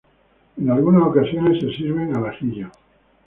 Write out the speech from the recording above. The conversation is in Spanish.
En algunas ocasiones se sirven al ajillo.